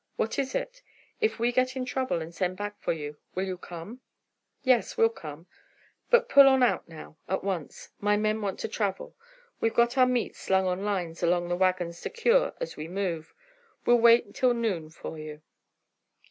"What is it?" "If we get in trouble and send back for you, will you come?" "Yes, we'll come. But pull on out now, at once. My men want to travel. We've got our meat slung on lines along the wagons to cure as we move. We'll wait till noon for you."